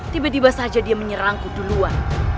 tiba tiba saja dia menyerangku duluan